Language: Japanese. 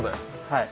はい。